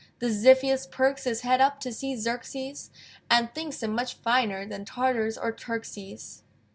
The Xiphias perks his Head up to see Xerxes: And thinks him much finer Than Tartars or Turkses.